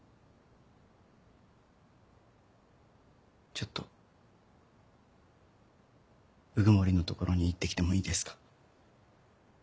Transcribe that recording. ちょっと鵜久森の所に行ってきてもいいですか？